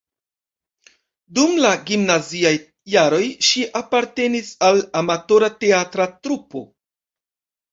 Dum la gimnaziaj jaroj ŝi apartenis al amatora teatra trupo.